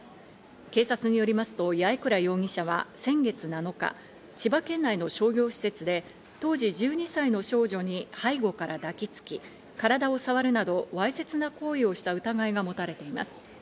警察によりますと八重倉容疑者は先月７日、千葉県内の商業施設で当時１２歳の少女に背後から抱きつき、体を触るなど、わいせつな行為をした疑いが持たれています。